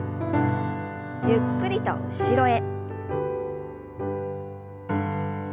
ゆっくりと後ろへ。